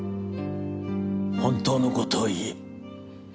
本当の事を言え。